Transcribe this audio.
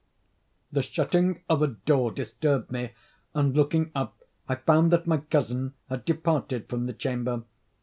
The shutting of a door disturbed me, and, looking up, I found that my cousin had departed from the chamber.